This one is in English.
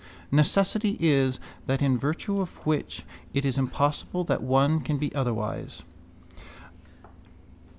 Necessity is that in virtue of which it is impossible that one can be otherwise.